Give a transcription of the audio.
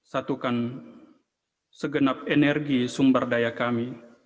satukan segenap energi sumber daya kami